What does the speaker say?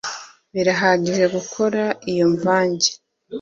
birahagije gukora iyo mvange